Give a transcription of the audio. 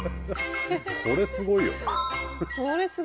これすごいよね。